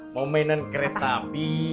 mau mainan kereta api